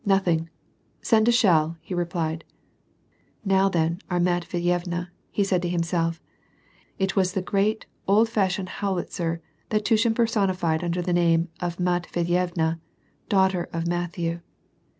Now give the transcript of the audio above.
" Nothing, send a shell," he replied. " Now then, our Matveyevna !" said he to himself. It was the great, old fashioned howitzer that Tushin personified under the name of Matveyevna, Daughter of Matthew.